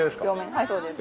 はいそうです。